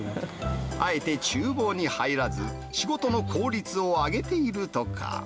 あえてちゅう房に入らず、仕事の効率を上げているとか。